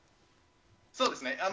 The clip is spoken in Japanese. そうですね。